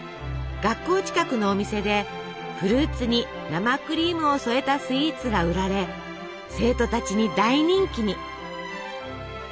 学校近くのお店でフルーツに生クリームを添えたスイーツが売られ生徒たちに大人気に。